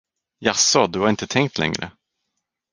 Jaså, du har inte tänkt längre.